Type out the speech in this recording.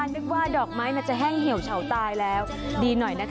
นึกว่าดอกไม้มันจะแห้งเหี่ยวเฉาตายแล้วดีหน่อยนะคะ